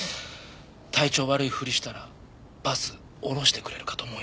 体調悪いふりしたらバス降ろしてくれるかと思いまして。